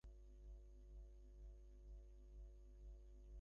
আমার মেয়ে হলে ওকে যে ফ্রক পরিয়ে রাখতাম!